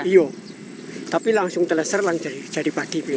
iya tapi langsung teleser lang jadi pagi